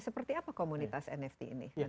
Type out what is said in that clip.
seperti apa komunitas nft ini